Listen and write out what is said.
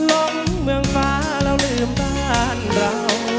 ร่องเมืองฟ้าเรารลืมบ้านเรา